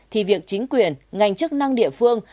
thì việc chính quyền ngành chức năng địa phương